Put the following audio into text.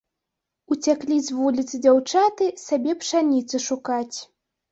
Уцяклі з вуліцы дзяўчаты сабе пшаніцы шукаць.